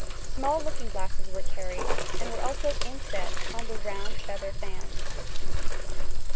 Small looking glasses were carried, and were also inset on the round feather fans.